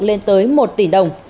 lên tới một tỷ đồng